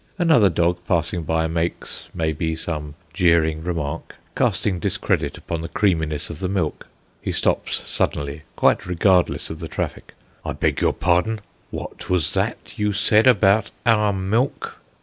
Another dog passing by makes, maybe, some jeering remark, casting discredit upon the creaminess of the milk. He stops suddenly, quite regardless of the traffic. "I beg your pardon, what was that you said about our milk?"